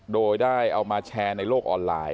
โดยได้เอามาแชร์ในโลกออนไลน์